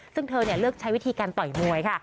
ซึ่งเธอเลือกใช้วิธีการต่อยมวยค่ะ